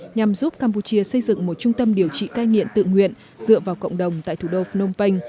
nhằm giúp campuchia xây dựng một trung tâm điều trị cai nghiện tự nguyện dựa vào cộng đồng tại thủ đô phnom penh